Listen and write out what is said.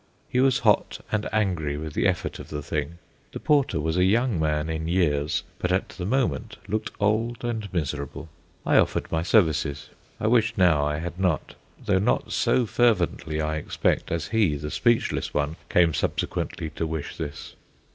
He was hot and angry with the effort of the thing. The porter was a young man in years, but at the moment looked old and miserable. I offered my services. I wish now I had not though not so fervently, I expect, as he, the speechless one, came subsequently to wish this.